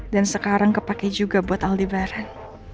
dan sekarang kepake juga buat aldebaran